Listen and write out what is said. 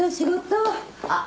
あっ。